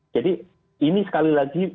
jadi ini sekali lagi